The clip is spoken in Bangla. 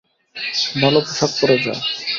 ভালো পোশাক পরে যা।